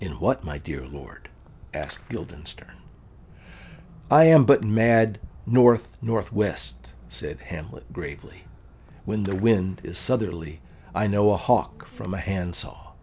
"In what, my dear lord?" asked Guildenstern. "I am but mad north north west," said Hamlet gravely: "when the wind is southerly I know a hawk from a handsaw."